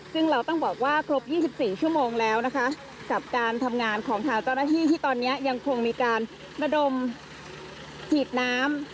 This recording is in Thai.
ซึ่งเราต้องบอกว่าครบ๒๔ชั่วโมงแล้วนะคะกับการทำงานของทางเจ้าหน้าที่ที่ตอนนี้ยังคงมีการระดมฉีดน้ำ